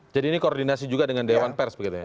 jadi ini koordinasi juga dengan dewan pers begitu ya